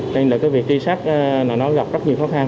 đây là cái việc truy xét nó gặp rất nhiều khó khăn